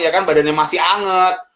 ya kan badannya masih anget